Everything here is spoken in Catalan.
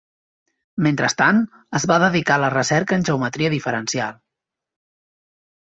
Mentrestant, es va dedicar a la recerca en geometria diferencial.